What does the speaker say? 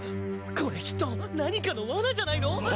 これきっと何かの罠じゃないの？